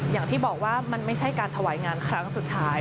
อย่างที่บอกว่ามันไม่ใช่การถวายงานครั้งสุดท้าย